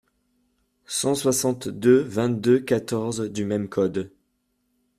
cent soixante-deux-vingt-deux-quatorze du même code.